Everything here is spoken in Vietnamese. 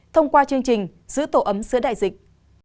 thông qua chương trình giữ tổ ấm sứ đại dịch